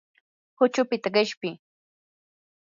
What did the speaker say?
huchupita qishpi.